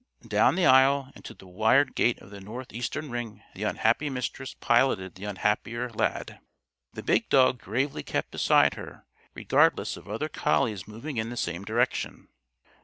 Down the aisle and to the wired gate of the north eastern ring the unhappy Mistress piloted the unhappier Lad. The big dog gravely kept beside her, regardless of other collies moving in the same direction.